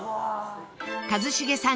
一茂さん